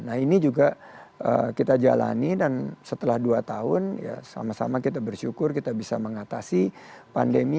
nah ini juga kita jalani dan setelah dua tahun ya sama sama kita bersyukur kita bisa mengatasi pandemi